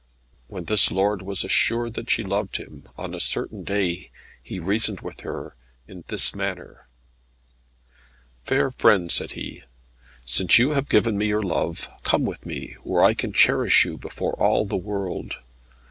When this lord was assured that she loved him, on a certain day he reasoned with her in this manner. "Fair friend," said he, "since you have given me your love, come with me, where I can cherish you before all the world.